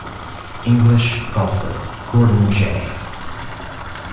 English golfer Gordon J.